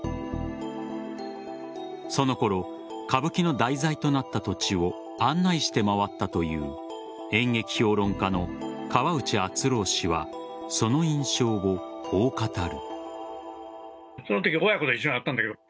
そのころ歌舞伎の題材となった土地を案内して回ったという演劇評論家の河内厚郎氏はその印象をこう語る。